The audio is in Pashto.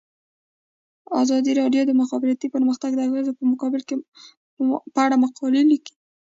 ازادي راډیو د د مخابراتو پرمختګ د اغیزو په اړه مقالو لیکلي.